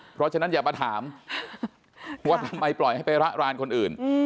เพราะฉะนั้นอย่ามาถามว่าทำไมปล่อยให้ไประรานคนอื่น